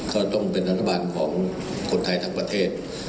ก็ต้องเป็นรัฐบาลของคนไทยทั้งประเทศ